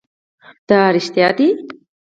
دا رښتيا ده؟